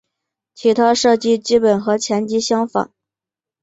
其他设计基本和前级相仿。